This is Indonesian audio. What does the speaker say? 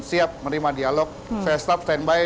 siap menerima dialog saya tetap stand by